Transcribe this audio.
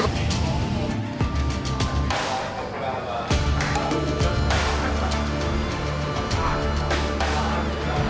kan sayaeilah pak